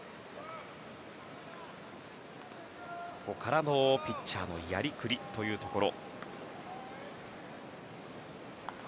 ここからのピッチャーのやりくりというところ。